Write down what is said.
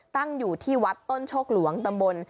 ตั้งอยู่ที่วัดต้นโชคหลวงตำบล